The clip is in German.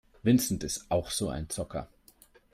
Vincent ist auch so ein Zocker.